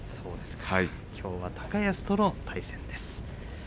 きょうは高安との対戦です。